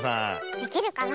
できるかな。